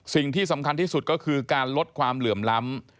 สิ่งที่สำคัญที่สุดก็คือการลดความเหลื่อมล้ำ